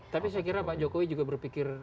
tapi saya kira pak jokowi juga berpikir